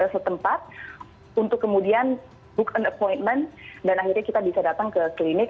setempat untuk kemudian book and appointment dan akhirnya kita bisa datang ke klinik